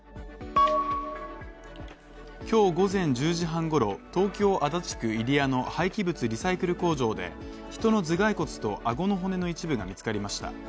今日午前１０時半ごろ、東京・足立区入谷の廃棄物リサイクル工場で人の頭蓋骨と顎の骨の一部が見つかりました。